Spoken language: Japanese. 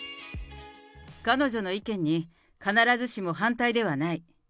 彼女の意見に必ずしも反対ではない。